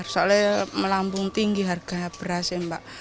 soalnya melampung tinggi harga berasnya